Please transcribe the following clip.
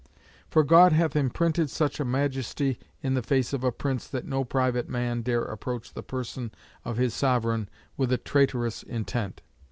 For God hath imprinted such a majesty in the face of a prince that no private man dare approach the person of his sovereign with a traitorous intent.